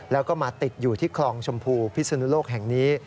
แล้วก็มาติดอยู่ที่คลองชมพูพิศนุโลกแห่งนี้